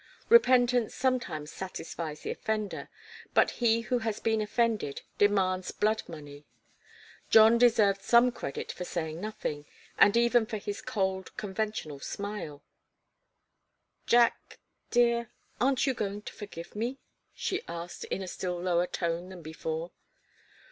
Repentance sometimes satisfies the offender, but he who has been offended demands blood money. John deserved some credit for saying nothing, and even for his cold, conventional smile. "Jack dear aren't you going to forgive me?" she asked, in a still lower tone than before.